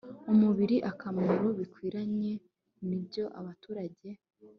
umubiri akamaro bikwiranye nibyo abaturage